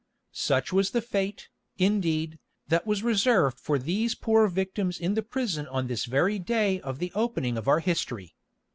Such was the fate, indeed, that was reserved for these poor victims in the prison on this very day of the opening of our history.